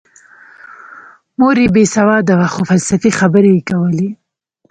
مور یې بې سواده وه خو فلسفي خبرې یې کولې